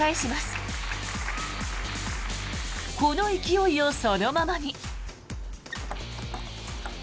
この勢いをそのままに。